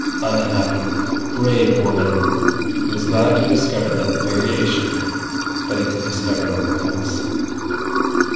"Unhappy, brave woman!" He was glad to have discovered that variation; but he could discover nothing else.